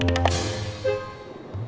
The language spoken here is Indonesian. sama apa yang diusahakan kamu